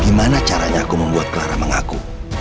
gimana caranya aku membuat clara mengaku